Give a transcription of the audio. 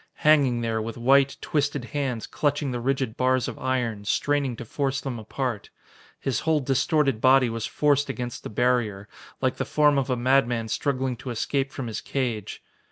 Hanging there, with white, twisted hands clutching the rigid bars of iron, straining to force them apart. His whole distorted body was forced against the barrier, like the form of a madman struggling to escape from his cage.